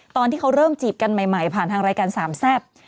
ตอนที่เขาเริ่มจีบกันใหม่ผ่านทางรายการสามแซ่บ